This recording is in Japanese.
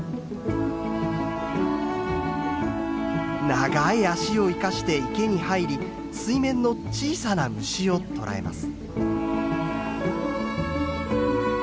長い脚を生かして池に入り水面の小さな虫を捕らえます。